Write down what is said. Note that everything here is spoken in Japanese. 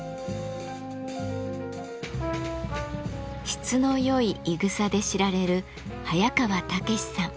質のよいいぐさで知られる早川猛さん。